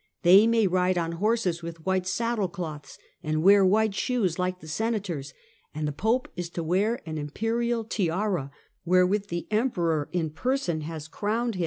They may ride on horses with white saddle cloths, and wear white shoes, like the senators ; and the Pope is to wear an imperial tiara, wherewith the Emperor has in person crowned him.